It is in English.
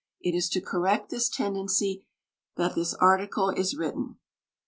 It is to correct this tendency that this article is written.